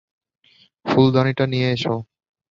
ফুলদানিটা নিয়ে এসো।